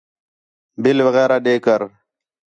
بِل وغیرہ ݙے کر